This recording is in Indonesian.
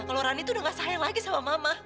kalau rani tuh udah gak sayang lagi sama mama